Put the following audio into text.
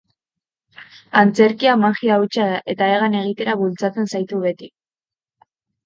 Antzerkia magia hutsa da eta hegan egitera bultzatzen zaitu beti.